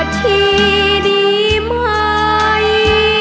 ที่ดีไหม